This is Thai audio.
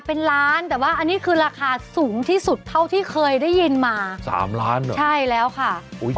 เป็นล้านแต่ว่าอันนี้คือราคาสูงที่สุดเท่าที่เคยได้ยินมาสามล้านเหรอใช่แล้วค่ะอุ้ย